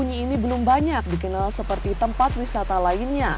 bunyi ini belum banyak dikenal seperti tempat wisata lainnya